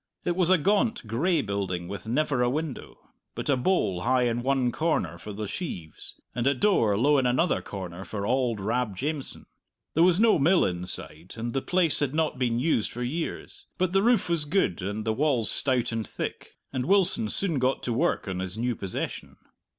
It was a gaunt, gray building with never a window, but a bole high in one corner for the sheaves, and a door low in another corner for auld Rab Jamieson. There was no mill inside, and the place had not been used for years. But the roof was good, and the walls stout and thick, and Wilson soon got to work on his new possession.